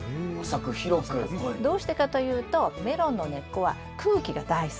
どうしてかというとメロンの根っこは空気が大好き。